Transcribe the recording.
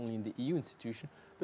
bukan hanya di institusi eu